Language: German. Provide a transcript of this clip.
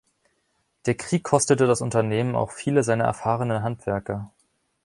Der Krieg kostete das Unternehmen auch viele seiner erfahrenen Handwerker.